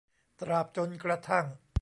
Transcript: ตราบจนกระทั่ง